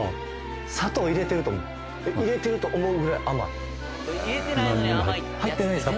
砂糖入れてると思う入れてると思うぐらい甘い何も入ってない入ってないですか？